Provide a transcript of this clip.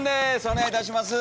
お願いいたします。